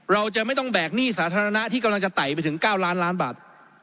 เราจะไม่ต้องแบกหนี้สาธารณะที่กำลังจะไต่ไปถึง๙ล้านล้านบาท